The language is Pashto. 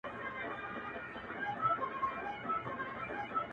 • نر اوښځي ټول له وهمه رېږدېدله ,